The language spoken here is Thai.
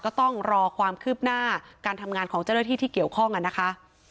ก็ต้องรอความคืบหน้าการทำงานของเจ้าหน้าที่ที่เกี่ยวข้องกันนะคะ